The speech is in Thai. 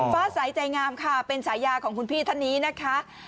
ฟ้าใสใจงามค่ะเป็นสายาของคุณพี่ทนีนะคะ